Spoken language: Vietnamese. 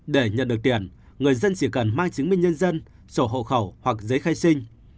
để nhận được tiền người dân chỉ cần mai chứng minh nhân dân sổ hộ khẩu hoặc giấy khai sinh